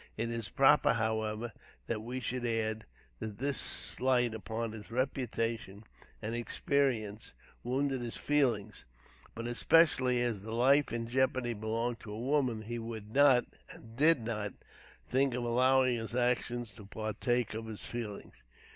It is proper, however, that we should add, that this slight upon his reputation and experience wounded his feelings. But, especially, as the life in jeopardy belonged to a woman, he would not, and did not, think of allowing his actions to partake of his feelings.